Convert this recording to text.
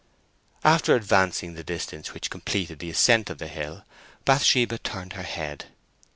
After advancing the distance which completed the ascent of the hill, Bathsheba turned her head.